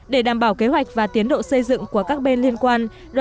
để đảm bảo kế hoạch và tiến độ xây dựng của các bên liên quan